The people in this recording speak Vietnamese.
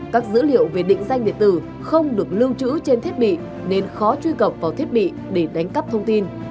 các dữ liệu về định danh điện tử không được lưu trữ trên thiết bị nên khó truy cập vào thiết bị để đánh cắp thông tin